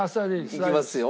いきますよ。